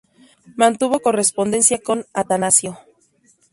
Mantuvo correspondencia con Atanasio.